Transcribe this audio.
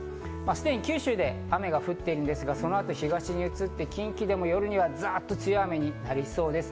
すでに九州で雨が降っているんですが、そのあと東に移って、近畿でも夜にはザッと強い雨になりそうです。